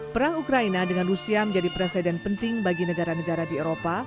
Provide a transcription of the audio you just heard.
perang ukraina dengan rusia menjadi presiden penting bagi negara negara di eropa